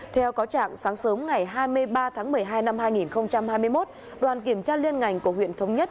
theo cáo trạng sáng sớm ngày hai mươi ba tháng một mươi hai năm hai nghìn hai mươi một đoàn kiểm tra liên ngành của huyện thống nhất